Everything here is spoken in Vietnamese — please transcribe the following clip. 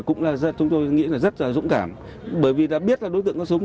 cũng là chúng tôi nghĩ là rất là dũng cảm bởi vì đã biết là đối tượng có súng